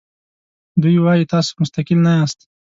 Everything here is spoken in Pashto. دوی وایي تاسو مستقل نه یاست.